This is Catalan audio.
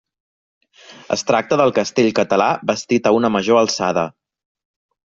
Es tracta del castell català bastit a una major alçada.